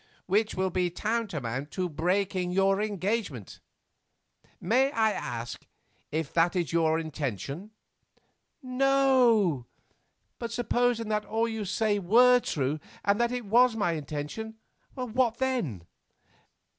"Which will be tantamount to breaking your engagement. May I ask if that is your intention?" "No; but supposing that all you say were true, and that it was my intention, what then?"